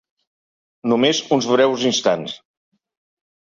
Només uns breus instants.